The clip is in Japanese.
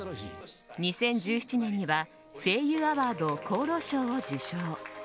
２０１７年には声優アワード功労賞を受賞。